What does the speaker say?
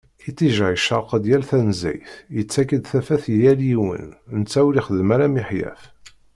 Iṭij-a icerreq-d yal tanezzayt, yettak-d tafat i yal yiwen, netta ur ixeddem ara miḥyaf.